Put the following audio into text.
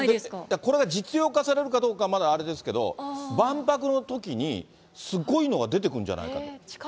これが実用化されるかはあれですけど、万博のときにすごいのが出てくるんじゃないかと。